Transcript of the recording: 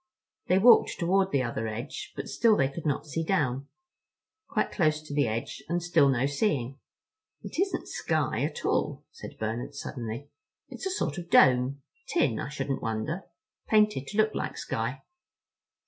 They walked toward the other edge, and still they could not see down; quite close to the edge, and still no seeing. "It isn't sky at all," said Bernard suddenly. "It's a sort of dome—tin I shouldn't wonder, painted to look like sky."